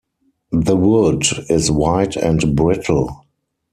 The wood is white and brittle.